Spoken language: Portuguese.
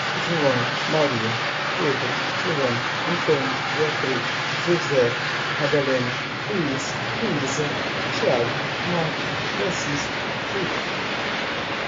João, Maria, Pedro, Joana, António, Beatriz, José, Madalena, Luís, Luísa, Tiago, Marta, Francisco, Júlia